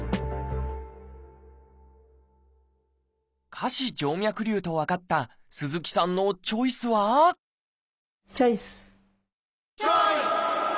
下肢静脈りゅうと分かった鈴木さんのチョイスはチョイス！